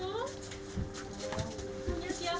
punya siapa itu